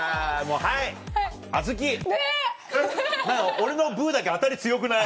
俺のブだけ当たり強くない？